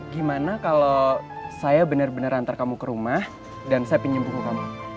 gimana kalau saya benar benar antar kamu ke rumah dan saya pinjam buku kamu